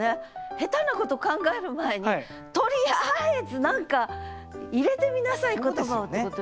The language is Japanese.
下手なこと考える前にとりあえず何か入れてみなさい言葉をってことよね。